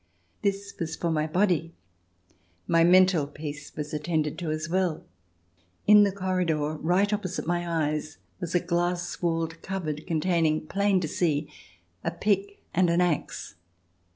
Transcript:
This was for the body ; my mental peace was attended to as well. In the corridor, right opposite my eyes, was a glass walled cupboard, containing, plain to see, a pick and an axe.